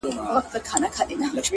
دادی حالاتو سره جنگ کوم لگيا يمه زه ـ